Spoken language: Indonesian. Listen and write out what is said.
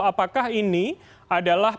apakah ini adalah pemberitaan